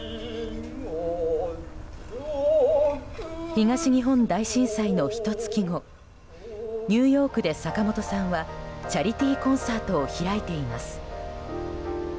東日本大震災のひと月後ニューヨークで、坂本さんはチャリティーコンサートを開いています。